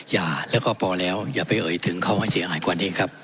อย่าแล้วก็พอแล้วอย่าไปเอ่ยถึงเขาให้เสียหายกว่านี้ครับ